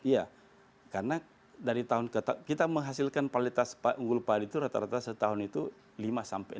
iya karena dari tahun ke tahun kita menghasilkan paritas unggul padi itu rata rata setahun itu lima sampai sepuluh tahun